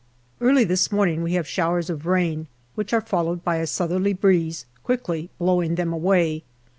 Early this morning we have showers of rain, which are followed by a southerly breeze, quickly blowing them away.